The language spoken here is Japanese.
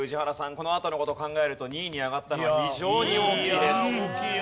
このあとの事を考えると２位に上がったのは非常に大きいです。